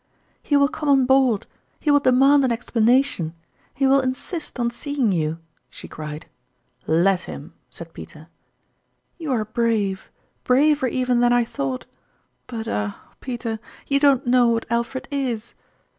" He will come on board ; he will demand an explanation ; he will insist on seeing you !" she cried. "Let him !" said Peter. " You are brave braver even than I thought ; but, ah ! Peter, you don't know what Alfred is!"